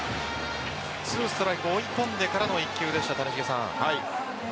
２ストライク追い込んでからの１球でした谷繁さん。